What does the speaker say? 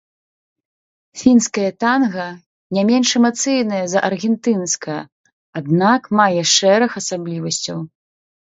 Фінскае танга не менш эмацыйнае за аргентынскае, аднак мае шэраг асаблівасцяў.